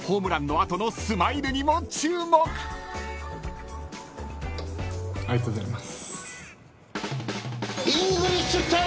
ありがとうございます。